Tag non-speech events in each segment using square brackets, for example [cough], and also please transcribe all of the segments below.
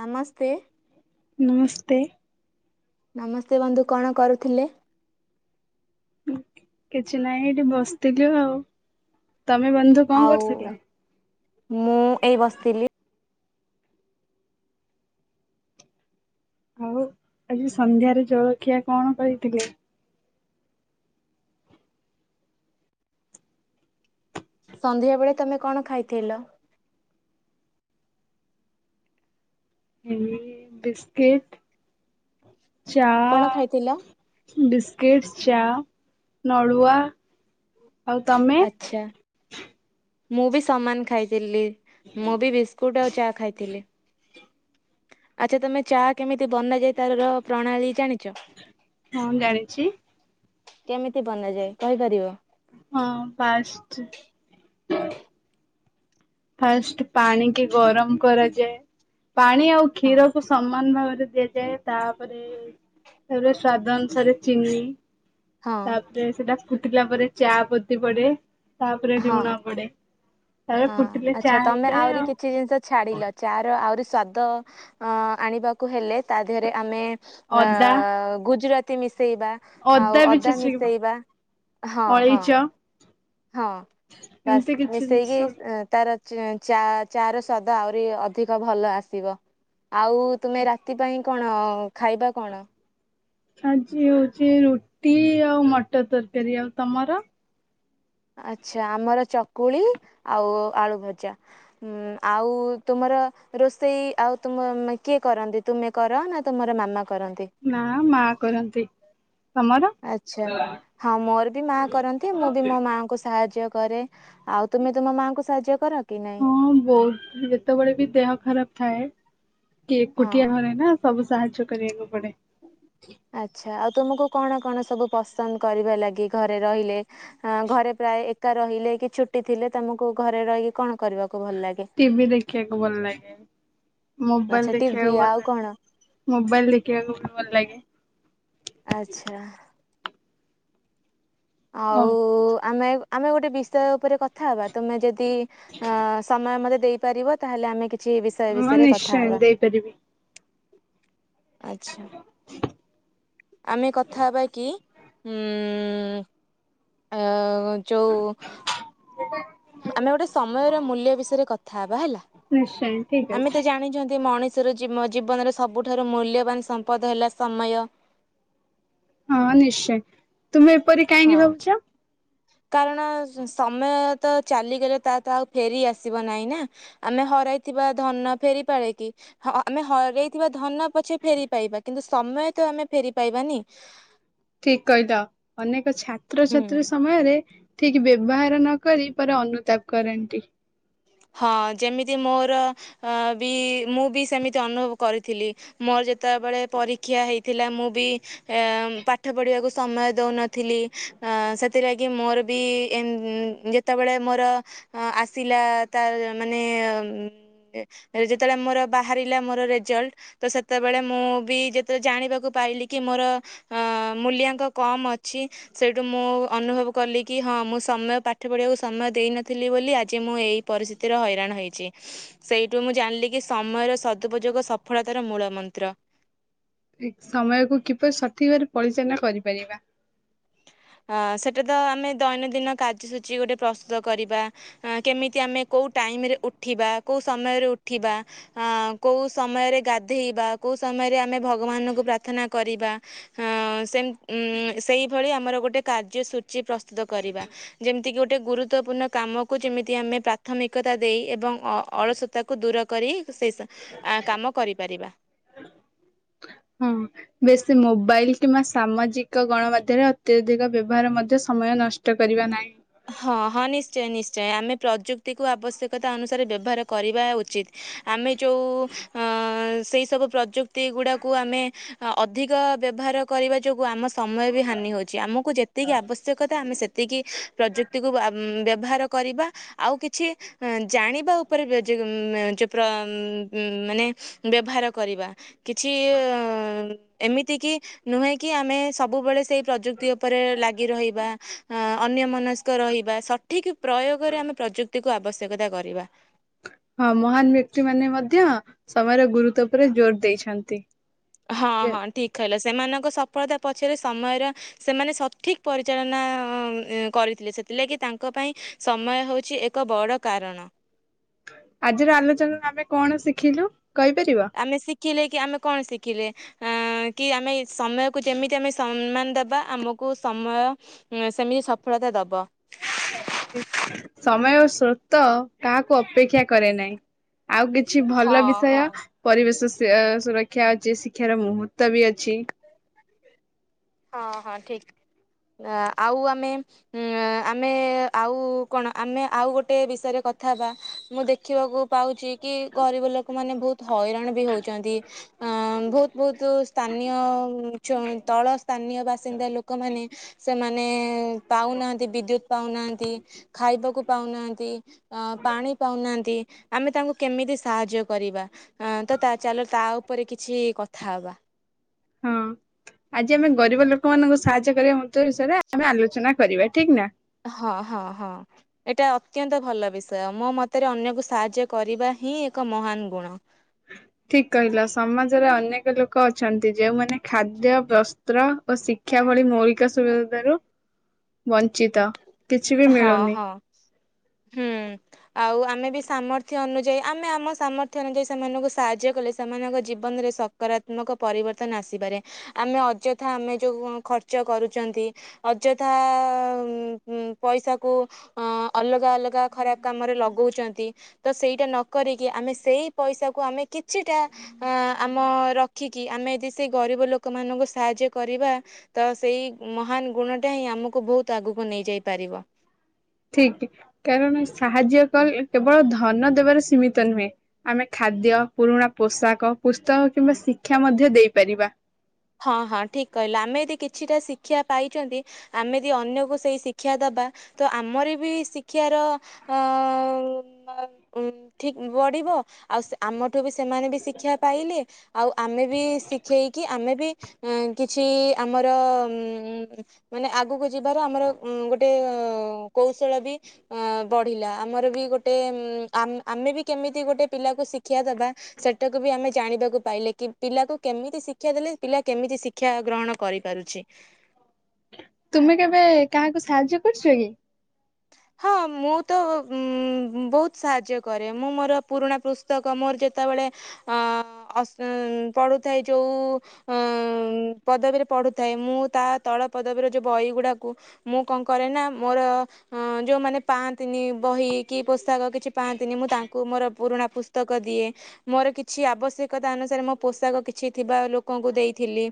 ନମସ୍ତେ। ନମସ୍ତେ। ନମସ୍ତେ ବନ୍ଧୁ କଣ କରୁଥିଲେ? କିଛି ନାହିଁ ଏଇଠି ବସିଥିଲୁ ଆଉ। ତମେ ବନ୍ଧୁ କଁ ଆଉ କରୁଥିଲ? ମୁଁ ଏଇ ବସିଥିଲି। ଆଉ ଆଜି ସନ୍ଧ୍ୟାରେ ଜଳଖିଆ କଣ କରିଥିଲେ? ସନ୍ଧ୍ୟା ବେଳେ ତମେ କଣ ଖାଇଥିଲ? ଏଇ ବିସ୍କିଟ ଚା କଣ ଖାଇଥିଲ? ବିସ୍କିଟ୍ ଚା ନଡୁଆ ଆଉ ତମେ ଆଛା ମୁଁ ବି ସମାନ ଖାଇଥିଲି। ମୁଁ ବି ବିସ୍କୁଟ ଆଉ ଚା ଖାଇଥିଲି। ଆଛା ତମେ ଚା କେମିତି ବନା ଯାଏ ତାର ପ୍ରଣାଳୀ ଜାଣିଚ? ହଁ ମୁଁ ଜାଣିଚି। କେମିତି ବନାଯାଏ କହିପାରିବ? ହଁ ପାଷ୍ଟ ଫାଷ୍ଟ ପାଣିିକି ଗରମ କରାଯାଏ ପାଣି ଆଉ ହଁ କ୍ଷୀରକୁ ସମାନ ଭାବରେ ଦିଆଯାଏ ତାପରେ ତାପରେ ସ୍ଵାଦ ଅନୁସାରେ ଚିନି ହଁ ତାପରେ ସେଟା ଫୁଟିଲା ପରେ ଚା ପତି ପଡେ ତାପରେ ଲୁଣ ପଡେ ତାପରେ ଫୁ ଆଛା ତମେ ଆଉରି କି ଚିରିତ ଛାଡ଼ିଲ ଚାର ଆହୁରି ସ୍ୱାଦ ଅଁ ଆଣିବାକୁ ହେଲେ ତା ଦେହରେ ଆମେ ଅଦା ଆଉ ଗୁଜୁରାତି ମିଶେଇବା ଆଉ ବି ଅଦା ଛେଚିକି ମିଶେଇବା ହଁ ହଁ। ଅଳେଇଚ ହଁ ବାସ୍ ଏମିତି କିଛି ଜିନିଷ। ମିଶେଇକି ଅଁ ତାର ଚା ଚା ର ସ୍ୱାଦ ଆଉରି ଅଧିକ ଭଲ ଆସିବ। ଆଉ ତୁମେ ରାତି ପାଇଁ କଣ ଖାଇବା କଣ? ଆଜି ହୋଉଚି ରୁଟି ଆଉ ମଟର ତରକାରୀ। ଆଉ ତମର? ଆଛା ଆମର ଚକୁଳି ଆଉ ଆଳୁ ଭଜା। ଉଁ ଆଉ ତୁମର ରୋଷେଇ ଆଉ ତୁମ କିଏ କରନ୍ତି? ତୁମେ କର ନା ତୁମର ମାମା କରନ୍ତି? ନା ମା କରନ୍ତି। ତମର? ଆଛା ହଁ ମୋର ବି ମା କରନ୍ତି ମୁଁ ବି ମୋ ମାଆଙ୍କୁ ସାହାଯ୍ୟ କରେ ଆଉ ତୁମେ ତୁମ ମାଙ୍କୁ ସାହାଯ୍ୟ କର କି ନାଇଁ? ହଁ ବଉ ଯେତେବେଳେ ବି ଦେହ ଖରାପ ଥାଏ କେ ହଁ। ଏକୁଟିଆ ଘରେ ନା ସବୁ ସାହାଯ୍ୟ କରିବାକୁ ପଡେ। ଆଛା ଆଉ ତୁମକୁ କଣ କଣ ସବୁ ପସନ୍ଦ କରିବା ଲାଗି ଘରେ ରହିଲେ? ଆ ଘରେ ପ୍ରାୟ ଏକା ରହିଲେ କି ଛୁଟି ଥିଲେ ତମକୁ ଘରେ ରହିକି କଣ କରିବାକୁ ଭଲ ଲାଗେ? ଟି ଭି ଦେଖିବାକୁ ଭଲ ଲାଗେ ଆଚ୍ଛା ମୋବାଇଲ ଟିଭି ଦେଖିବାକୁ ଆଉ ଭଲ ଲା କଣ ମୋବାଇଲ ଦେଖିବାକୁ ବି ଭଲ ଲାଗେ। ଆଛା। ଆଉ ଆମେ ଆମେ ଗୋଟେ ବିଷୟ ଉପରେ କ କଥା ହବା ତୁମେ ଯଦି ଅ ସମୟ ମତେ ଦେଇପାରିବ ତାହେଲେ ଆମେ କି ଛି ବିଷୟ ହଁ ବିଷୟରେ କଥା ନିଶ୍ଚୟ ହେବା ଦେଇପାରିବି ଆଛା। ଆମେ କଥା ହେବା କି ଉମ୍ ଆ ଯୋଉ [inaudible] ଆମେ ଗୋଟେ ସମୟର ମୂଲ୍ୟ ବିଷୟରେ କଥା ହବା ହେଲା। ନିଶ୍ଚୟ ଠିକ ଆମେ ଅଛି ତ ଜାଣିଚନ୍ତି ମଣି ଷର ଜୀମ ଜୀବନର ସବୁଠାରୁ ମୂଲ୍ୟବାନ ସମ୍ପଦ ହେଲା ସମୟ। ହଁ, ନିଶ୍ଚୟ ତୁମେ ଏପରି ହଁ କାହିଁକି ଭାବୁଛ। କାରଣ ସମୟ ତ ଚାଲିଗଲେ, ତା ତ ଆଉ ଫେରି ଆସିବ ନାଇଁ ନା। ଆମେ ହରାଇଥିବା ଧନ ଫେରି ପାଳେ କି? ହଁ, ଆମେ ହରେଇଥିବା ଧନ ପଛେ ଫେରି ପାଇବା। କିନ୍ତୁ, ସମୟ ତ ଆମେ ଫେରି ପାଇବାନି। ଠିକ୍ କହିଲ। ଅନେକ ହୁଁ। ଛାତ୍ରଛାତ୍ରୀ ସ ସମୟରେ ଠିକ୍ ବ୍ୟବହାର ନ କରି ପରେ ଅନୁତାପ କରନ୍ତି। ହଁ, ଯେମିତି ମୋର ବି, ମୁଁ ବି ସେମିତି ଅନୁଭବ କରିଥିଲି। ମୋର ଯେତେବେଳେ ପରୀକ୍ଷା ହେଇଥିଲା, ମୁଁ ବି ଏଁ ପାଠ ପଢିବାକୁ ସମୟ ଦଉନଥିଲି। ଆଁ ସେଥିଲାଗି ମୋର ବି ଏନ୍ ଯେତେବେଳେ ମୋର ଆସିଲା, ତାର୍ ମାନେ ଉମ୍ ଯେତେବେଳେ ମୋର ବାହାରିଲା ମୋର ରେଜଲ୍ଟ ତ ସେତେବେଳେ ମୁଁ ବି ଯେତେବେଳେ ଜାଣିବାକୁ ପାଇଲିି କି ମୋର ଅଁ ମୂଲ୍ୟାଙ୍କ କମ୍ ଅଛି। ସେଇଠୁ ମୁଁ ଅନୁଭବ କଲି କି, ହଁ ମୁଁ ସମୟ ପାଠ ପଢିବାକୁ ସମୟ ଦେଇନଥିଲି ବୋଲି, ଆଜି ମୁଁ ଏଇ ପରିସ୍ଥିତିର ହଇରାଣ ହେଇଚି। ସେଇଠୁ ମୁଁ ଜାଣିଲି କି, ସମୟର ସଦୁପଯୋଗ ସଫଳତାର ମୂଳ ମନ୍ତ୍ର। ସମୟକୁୁ କିପରି ସଠିକ୍ ଭାବରେ ପଳିଚାଳନା କରିପାରିବା। ହଁ, ସେଟା ତ ଆମେ ଦୈନନ୍ଦିନ କାର୍ଯ୍ୟସୂଚୀ ଗୋଟେ ପ୍ରସ୍ତୁତ କରିବା। କେମିତି ଆମେ କୋଉ ଟାଇମ୍ ରେ ଉଠିବା? କୋଉ ସମୟରେ ଉଠିବାଁ? ଅଁ କୋଉ ସମୟରେ ଗାଧେଇବା? କୋଉ ସମୟରେ ଆମେ ଭଗବାନଙ୍କୁ ପ୍ରାର୍ଥନା କରିବା? ହଁ, ସେମ୍ ସେଇଭଳି ଆମର ଗୋଟେ କାର୍ଯ୍ୟସୂଚୀ ପ୍ରସ୍ତୁତ କରିବା। ଯେମିତିକି ଗୋଟେ ଗୁରୁତ୍ବପୂର୍ଣ୍ଣ କାମକୁ ଯେମିତି, ଆମେ ପ୍ରାଥମିକତା ଦେଇ ଏବଂ ଅ-ଅଳସ ତାକୁ ଦୂର କରି ସେଇ ସ କାମ କରିପାରିବା ହୁଁ। ବେଶୀ ମୋବାଇଲ୍ କିମ୍ବା ସାମାଜିକ ଗଣମାଧ୍ୟମରେ ଅତ୍ୟଧିକ ବ୍ୟବହାର ମଧ୍ୟ ସମୟ ନଷ୍ଟ କରିବା ନାହିଁ। ହଁ, ହଁ, ନିଶ୍ଚୟ ନିଶ୍ଚୟ ଆମେ ପ୍ରଯୁକ୍ତିକୁ ଆବଶ୍ୟକତା ଅନୁସାରେ ବ୍ୟବହାର କରିବା ଉଚିତ୍। ଆମେ ଯୋଉ ଅଁ ସେଇ ସବୁ ପ୍ରଯୁକ୍ତି ଗୁଡାକୁ ଆମେ ଅଧିକ ବ୍ୟବହାର କରିବା ଯୋଗୁଁ, ଆମ ସମୟ ବି ହାନି ହଉଛି। ଆମକୁ ଯେତିକି ଆବଶ୍ୟକତା ଆମେ ସେତ୍ ତିକି ପ୍ରଯୁକ୍ତିକୁ ଆ ବ୍ୟବହାର କରିବା। ଆଉ, କିଛି ଜାଣିବା ଉପରେ ବି ଯି ଯିପ୍ର ମାନେ ବ୍ୟବହାର କରିବା। କିଛି ଅଁ-ଅ ଏମିତି କି ନୁହେଁ, କି ଆମେ ସବୁବେଳେ ସେଇ ପ୍ରଯୁକ୍ତି ଉପରେ ଲାଗି ରହିବା। ଅଁ ଅନ୍ୟ ମନ ବା ସଠିକ୍ ପ୍ରୟୋଗରେ ଆମେ ପ୍ରଯୁକ୍ତିକୁ ଆବଶ୍ୟକତା କରିବା। ହଁ, ମହାନ ବ୍ୟକ୍ତି ମାନେ ମଧ୍ୟ, ସମୟର ଗୁରୁତ୍ୱ ଉପରେ ଜୋର୍ ଦେଇଛନ୍ତି। ହଁ, ହଁ, ଠିକ୍ କହିଲ। ସେମାନଙ୍କ ସଫଳତା ପଛରେ ସମୟର ସେମାନେ ସଠିକ୍ ପରିଚାଳନା ଅଁ କରିଥିଲେ। ସେଥିଲାଗି ତାଙ୍କ ପାଇଁ ସମୟ ହେଉଛି, ଏକ ବଡ଼ କାରଣ। ଆଜିର ଆଲୋଚନାରେ ଆମେ କଣ ଶିଖିଲୁ, କହିପାରିବ? ଆମେ ଶିଖିଲେ କି, ଆମେ କଣ ଶିଖିଲେ? ଅଁ କି ଆମେ ସମୟକୁ ଯେମିତି ଆମେ ସମ୍ମାନ ଦବା, ଆମକୁ ସମୟ ଉଁ, ସେମିତି ସଫଳତା ଦବ। ସମୟ ଓ ସ୍ରୋତ କାହାକୁ ଅପେକ୍ଷା କରେ ନାହିଁ। ଆଉ କିଛି ହଁ ଭଲ ବିଷୟ ହଁ ପରିବେଶ ସୁରକ୍ଷା ଅଛି ଶିକ୍ଷାର ମୁହୂତ୍ତ ବି ଅଛି। ହଁ ହଁ ଠିକ ଆଉ ଆମେ ହଁ ଆମେ ଆଉ କଣ ଆମେ ଆଉ ଗୋଟେ ବିଷୟରେ କଥା ହେବା, ମୁଁ ଦେଖ ଦେଖିବାକୁ ପାଉଛି କି ଗରିବ ଲୋକମାନୋନେ ବହୁତ ହଇରାଣ ବି ହଉଛନ୍ତି। ଅ ବହୁତ ବହୁତ ସ୍ଥାନୀୟ ତଳ। ସ୍ଥାନୀୟ ବାସିନ୍ଦା ଲୋକମାନୋନ ସେମାନେ ପାଉନାହାନ୍ତି ବିଦ୍ୟୁତ ପାଉନାହାନ୍ତି। ଖାଇବାକୁ ପାଉନାହାନ୍ତି। ଅ ପାଣି ପାଉନାହାନ୍ତି ଆମେ ତାଙ୍କୁ କେମିତି ସାହାଯ୍ୟ କରିବା? ଅ ତ ତା ଚାଲ ତା ଉପରେ କିଛି କଥା ହବା। ହଁ। ଆଜି ଆମେ ଗରିବ ଲୋକମାନଙ୍କୁ ସାହାଯ୍ୟ କରିବା ମୃତ୍ତ ବିଷୟରେ ଆମେ ଆଲୋଚନା କରିବା ହେଲା। ହଁ ହଁ ହଁ। ଏଇଟା ଅତ୍ୟନ୍ତ ଭଲ ବିଷୟ ମୋ ମତରେ ଅନ୍ୟକୁ ସାହାଯ୍ୟ କରିବା ହିଁ ଏକ ମହାନ ଗୁଣ। [inaudible] ଠିକ କହିଲ ସମାଜରେ ଅନେକ ଲୋକ ଅଛନ୍ତି ଯେଉଁମାନେ ଖାଦ୍ୟ ବସ୍ତ୍ର ଓ ଶିକ୍ଷା। ଶିକ୍ଷା ଭଳି ମୌଳିକ ସୁବିଧାରୁ ବଞ୍ଚିତ। କିଛି ବି ହଁ ମିଳୁନି। ହଁ ହୁଁ। ଆଉ ଆମେ ବି ସାମର୍ଥ୍ୟ ଅନୁଯାୟୀ ଆମେ ଆମ ସାମର୍ଥ୍ୟ ଅନୁଯାୟୀ ସେମାନଙ୍କୁ ସାହାଯ୍ୟ କଲେ ସେମାନଙ୍କ ଜୀବନରେ ସଫଳ। ସକାରାତ୍ମକ ପରିବର୍ତ୍ତନ ଆସିପାରେ ଆମେ ଅଯଥା ଆମେ ଯୋଉ ଖର୍ଚ୍ଚ କରୁଛନ୍ତି। ଅଯଥା। ପଇସା କୁ ଅଲଗା ଅଲଗା ଖରାପ କାମରେ ଲଗଉଛନ୍ତି। ତ ସେଇଟା ନକରିକି ଆମେ ସେଇ ପଇସାକୁ ଆମେ କିଛିଟା। ଆ ଆମ ରଖିକି ଆମେ ସେଇ ଗରିବ ଲୋକମାନାନଙ୍କୁ ସାହାଯ୍ୟ କରିବା। ତ ସେଇ ମହାନ ଗୁଣ ଟା ହିଁ ଆମକୁ ବହୁତ ଆଗକୁ ନେଇ ଯାଇ ପାରିବ। ଠିକ୍ ଠିକ୍ କାରଣ ସାହାଯ୍ୟ କଲେ କେବଳ ଧନ ଦେବାରେ ସୀମିତ ନୁହେଁ। ଆମେ ଖାଦ୍ୟ ପୁରୁଣା ପୋଷାକ ପୁସ୍ତକ କିମ୍ବା ଶିକ୍ଷା ମଧ୍ୟ ଦେଇପାରିବା। ହଁ ହଁ ଠିକ୍ କହିଲ ଆମେ ଯଦି କିଛିଟା ଶିକ୍ଷା ପାଇଛନ୍ତି। ଆମେ ଯଦି ଅନ୍ୟକୁ ସେଇ ଶିକ୍ଷା ଦେବା ତ ଆମର ବି ଶିକ୍ଷାର। ଠିକ୍ [unintelligible] ବଢ଼ିବ। ଆଉ ଆମଠୁ ବି ସେମାନେ ବି ଶିକ୍ଷା ପାଇଲେ ଆଉ ଆମେ ବି ଶିଖେଇକି ଆମେ ବି। କିଛି ଆମର ମାନେ ଆଗକୁ ଯିବାର ଆମର ଗୋଟେ କୌଶଳ ବି। ବଢିଲା ଆମର ବି ଗୋଟେ ଆମେ ବି କେମିତି ଗୋଟେ ପିଲାକୁ ଶିକ୍ଷା ଦେବା। ସେଟାକୁ ବି ଆମେ ଜାଣିବାକୁ ପାଇଲେ କି ପିଲାକୁ କେମିତି ଶିକ୍ଷା ଦେଲେ। ପିଲା କେମିତି ଶିକ୍ଷା ଗ୍ରହଣ କରିପାରୁଛି? ତୁମେ କେବେ କାହାକୁ ସାହାଯ୍ୟ କରିଛ କି? ହଁ ମୁଁ ତ ବହୁତ ସାହାଯ୍ୟ କରେ ମୁଁ ମୋର ପୁରୁଣା ପୁସ୍ତକ ମୋର ଯେତେବେଳେ ପଢ଼ୁଥାଏ ଯୋଉ ପଦବୀରେ ପଢ଼ୁଥାଏ ମୁଁ ତା ତଳ ପଦବୀର ଯୋଉ ବହି ଗୁଡାକୁ ମୁଁ କଣ କରେ ନା ମୋର ହଁ ଯେଉଁମାନେ ପାଆନ୍ତିନି ବହି କି ପୋଷାକ କିଛି ପାଆନ୍ତିନି ମୁଁ ତାଙ୍କୁ ମୋର ପୁରୁଣା ପୁସ୍ତକ ଦିଏ। ମୋର କିଛି ଆବଶ୍ୟକତା ଅନୁସାରେ ମୋ ପୋଷାକ କିଛି ଥିବା ଲୋକଙ୍କୁ ଦେଇଥିଲି।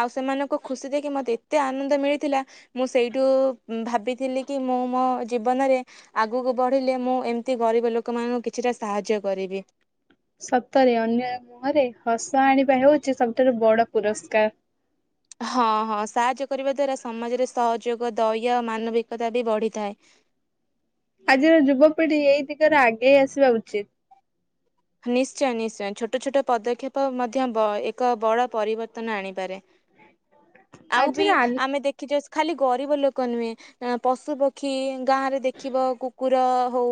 ଆଉ ସେମାନଙ୍କୁ ଖୁସି ଦେଖି ମତେ ଏତେ ଆନନ୍ଦ ମିଳିଥିଲା। ମୁଁ ସେଇଠୁ ଭାବିଥିଲି କି ମୁଁ ମୋ ଜୀବନରେ ଆଗକୁ ବଢ଼ିଲେ ମୁଁ ଏମିତି ଗରିବ ଲୋକମାନଙ୍କୁ କିଛିଟା ସାହାଯ୍ୟ କରିବି। ସତରେ ଅନ୍ୟର ମୁହଁରେ ହସ ଆଣିବା ହେଉଛି ସବୁଠାରୁ ବଡ ପୁରସ୍କାର। ହଁ ହଁ ସାହାଯ୍ୟ କରିବା ଦ୍ଵାରା ସମାଜରେ ସହଯୋଗ ଦୟା ଓ ମାନବିକତା ବି ବଢ଼ିଥାଏ। ଆଜିର ଯୁବପିଢ଼ି ଏଇ ଦିଗରେ ଆଗେଇ ଆସିବା ଉଚିତ୍। ନିଶ୍ଚୟ ନିଶ୍ଚୟ ଛୋଟ ଛୋଟ ପଦକ୍ଷେପ ମଧ୍ୟ ବ ଏକ ବଡ ପରିବର୍ତ୍ତନ ଆଣିପାରେ। ଆଉ ବି ଆଜିର ଆଲ୍ ଆମେ ଦେଖିଛେ ଖାଲି ଗରିବ ଲୋକ ନୁହେଁ ପଶୁ ପକ୍ଷୀ ଗାଁ ରେ ଦେଖିବ କୁକୁର ହଉ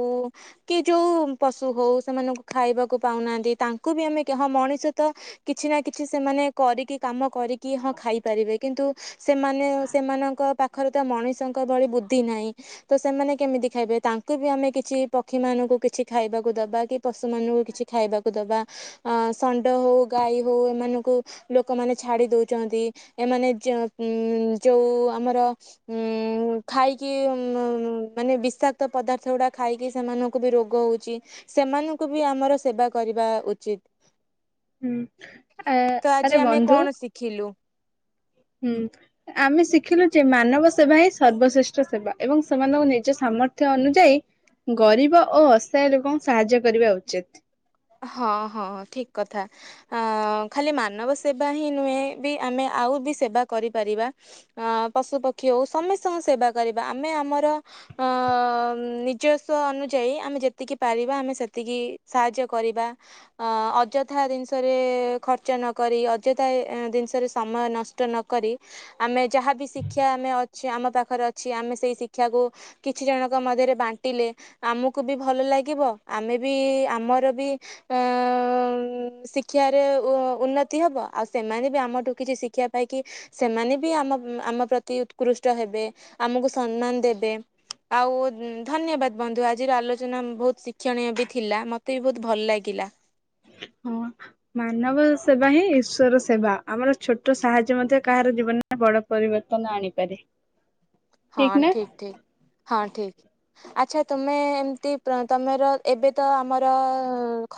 କି ଯୋଉ ପଶୁ ହଉ ସେମାନଙ୍କୁ ଖାଇବାକୁ ପାଉନାହାନ୍ତି ତାଙ୍କୁ ବି ଆମେ କିଏ ହଁ ମଣିଷ ତ କିଛି ନାଁ କିଛି ସେମାନେ କରିକି କାମ କରିକି ହଁ ଖାଇପାରିବେ। କିନ୍ତୁ ସେମାନେ ସେମାନଙ୍କ ପାଖରେ ତ ମଣିଷଙ୍କ ଭଳି ବୁଦ୍ଧି ନାହିଁ। ତ ସେମାନେ କେମିତି ଖାଇବେ ତାଙ୍କୁ ବି ଆମେ କିଛି ପକ୍ଷୀ ମାନଙ୍କୁ କିଛି ଖାଇବାକୁ ଦବା କି ପଶୁ ମାନଙ୍କୁ କିଛି ଖାଇବାକୁ ଦବା। ଆ ଷଣ୍ଡ ହଉ ଗାଈ ହଉ ଏମାନଙ୍କୁ ଲୋକମାନେ ଛାଡ଼ି ଦଉଛନ୍ତି। ଏମାନେ ଯୋ ଯୋଉ ଆମର ଉଁ ଖାଇକି ଉଁ ମାନେ ବିଶା କ୍ତ ପଦାର୍ଥ ଗୁଡା ଖାଇକି ସେମାନଙ୍କୁ ବି ରୋଗ ହଉଛି। ସେମାନଙ୍କୁ ବି ଆମର ସେବା କରିବା ଉଚିତ୍। ହୁଁ ଆ ତ ଆଜି ଆରେ ଆମେ ବନ୍ଧୁ କଣ ଶିଖିଲୁ? ହୁଁ। ଆମେ ଶିଖିଲୁ ଯେ ମାନବ ସେବା ହିଁ ସର୍ବଶ୍ରେଷ୍ଠ ସେବା ଏବଂ ସେମାନଙ୍କ ନିଜ ସାମର୍ଥ୍ୟ ଅନୁଯାୟୀ ଗରିବ ଓ ଅସହାୟ ଲୋକଙ୍କୁ ସାହାଯ୍ୟ କରିବା ଉଚିତ୍। ହଁ ହଁ ଠିକ୍ କଥା। ଆ ଖାଲି ମାନବ ସେବା ହିଁ ନୁହେଁ ବି ଆମେ ଆଉ ବି ସେବା କରିପାରିବା। ହଁ ପଶୁ ପକ୍ଷୀ ହଉ ସମସ୍ତଙ୍କ ସେବା କରିବା ଆମେ ଆମର ଅ ନିଜସ୍ଵ ଅନୁଯାୟୀ ଆମେ ଯେତିକି ପାରିବା ଆମେ ସେତିକି ସାହାଯ୍ୟ କରିବା। ଅ ଅଯଥା ଜିନିଷରେ ଖର୍ଚ୍ଚ ନକରି ଅଯଥା ଏ ଜିନିଷରେ ସମୟ ନଷ ଷ୍ଟ ନକରି ଆମେ ଯାହା ବିି ଶିକ୍ଷା ଆମେ ଅଛେ ଆମ ପାଖରେ ଅଛି ଆମେ ସେଇ ଶିକ୍ଷାକୁ କିଛି ଜଣଙ୍କ ମଧ୍ୟରେ ବାଣ୍ଟିଲେ ଆମକୁ ବି ଭଲ ଲାଗିବ ଆମେ ବି ଆମର ବି ଅ ଶିକ୍ଷାରେ ଉ ଉନ୍ନତି ହେବ ଆଉ ସେମାନେ ବି ଆମଠୁ କିଛି ଶିକ୍ଷା ପାଇକି ସେମାନେ ବି ଆମ ଆମ ପ୍ରତି ଉତ୍କୃଷ୍ଟ ହେବେ ଆମକୁ ସମ୍ମାନ ଦେବେ। ଆଉ ଧନ୍ୟବାଦ୍ ବନ୍ଧୁ ଆଜିର ଆଲୋଚନା ବହୁତ ଶିକ୍ଷଣୀୟ ବି ଥିଲା ମତେ ବି ବହୁତ ଭଲ ଲାଗିଲା। ହୁଁ। ମାନବ ସେବା ହିଁ ଈଶ୍ଵର ସେବା ଆମର ଛୋଟ ସାହାଯ୍ୟ ମଧ୍ୟ କାହାର ଜୀବନ ରେ ବଡ ପରିବର୍ତ୍ତନ ଆଣିପାରେ। ହଁ ଠିକ ନା ଠିକ୍ ଠିକ୍ ହଁ ଠିକ୍। ଆଚ୍ଛା ତମେ ଏମିତି ପ୍ର ତମର ଏବେ ତ ଆମର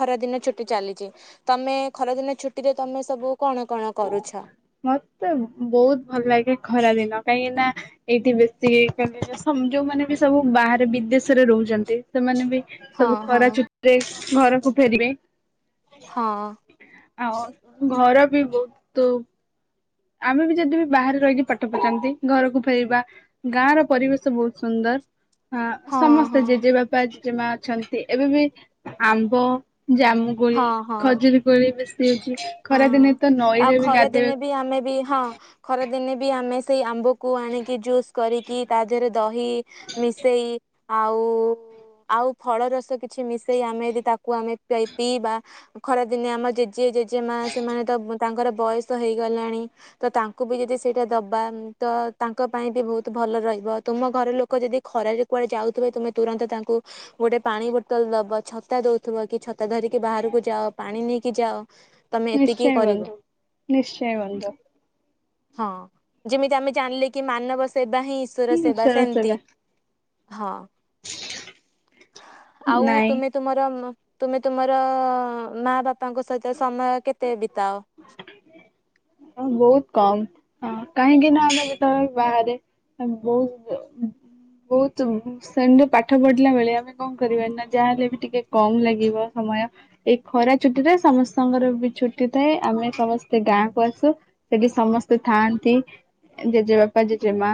ଖରାଦିନ ଛୁଟି ଚାଲିଛି। ତମେ ଖରାଦିନ ଛୁଟିରେ ତମେ ସବୁ କଣ କଣ କରୁଛ? ମତେ ବହୁତ ଭଲ ଲାଗେ ଖରା ଦିନ କାହିଁକି ନା ଏଇଠି ବେଶୀ କହିଲେ ସମ ଯୋଉମାନେ ବି ସବୁ ବାହାରେ ବିଦେଶରେ ରହୁଛନ୍ତି ସେମାନେ ବି ହଁ ସବୁ ହଁ ଖରା ଛୁଟି ରେ ଘରକୁ ଫେରିବେ। ହଁ। ଆଉ ଘର ବି ବହୁତ ଆମେ ବି ଯଦି ବି ବାହାରେ ରହିକି ପାଠ ପଢଛନ୍ତି ଘରକୁ ଫେରିବା, ଗାଁ ର ପରିବେଶ ବହୁତ ସୁନ୍ଦର। ହଁ ସମସ୍ତେ ଜେଜେ ବା ପା ଜେଜେମା ଅଛନ୍ତି, ଏବେ ବି ଆମ୍ବ, ଜାମୁକୋଳି ହଁ ହଁ ଖଜୁରୀ କୋଳି ବେଶି ଅଛି ଖରାଦିନେ ତ ନଈରେ ବି ଗାଧେଇବାକୁ ତି ଆମେ ବି ହଁ। ଖରା ଦିନେ ବି ଆମେ ସେଇ ଆମ୍ବ କୁ ଆଣିକି ଜୁସ୍ କରିକି, ତା ଦେହରେ ଦହି ମିଶେଇ ଆଉ ଆଉ ଫଳରସ କିଛି ମିଶେଇ ଆମେ ଯଦି ତାକୁ ଆମେ ପା ପିଇବା। ଖରାଦିନେ ଆମର ଜେଜେ ଜେଜେ ମା ସେମାନେ ତ ତାଙ୍କର ବୟସ ହେଇଗଲାଣି। ତ ତାଙ୍କୁ ବି ଯଦି ସେଇଟା ଦବା ତ ତାଙ୍କ ପାଇଁ ବି ବହୁତ ଭଲ ରହିବ। ତୁମ ଘର ଲୋକ ଯଦି ଖରାରେ କୁଆଡେ ଯାଉଥିବେ ତୁମେ ତୁରନ୍ତ ତାଙ୍କୁ ଗୋଟେ ପାଣି ବୋତଲ ଦବ, ଛତା ଦଉଥିବ କି ଛତା ଧରିକି ବାହାରକୁ ଯାଅ ପାଣି ନେଇକି ଯାଅ। [unintelligible] ନିଶ୍ଚୟ କରିବ ବନ୍ଧୁ, ନିଶ୍ଚୟ ବନ୍ଧୁ। ହଁ ଯେମିତି ଆମେ ଜାଣିଲେ କି ମାନବ ସେବା ହିଁ ଈଶ୍ଵର ସେବା ଈଶ୍ୱର ସେମିତି। ସେବା ହଁ ଆଉ ନାଇଁ ତୁମେ ତୁମର ତୁମେ ତୁମର, ମା ବାପାଙ୍କ ସହିତ ସମୟ କେତେ ବିତାଅ। ହ ବହୁତ କମ, କାହିଁକି ନା ଆମେ ଯେତେବେଳେ ବାହାରେ ବହୁତ ବହୁତ ଶ୍ରେଣୀ ରେ ପାଠ ପଢିଲା ବେଳେ ଆମେ କଣ କରିବା ନା ଯାହାହେଲେ ବି ଟିକେ କମ ଲାଗିବ ସମୟ। ଏଇ ଖରା ଛୁଟିରେ ସମସ୍ତଙ୍କର ବି ଛୁଟି ଥାଏ, ଆମେ ସମସ୍ତେ ଗାଁ କୁ ଆସୁ ସେଠି ସମସ୍ତେ ଥାଆନ୍ତି ଜେଜେବାପା ଜେଜେ ମା।